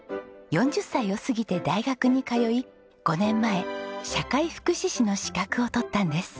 ４０歳を過ぎて大学に通い５年前社会福祉士の資格を取ったんです。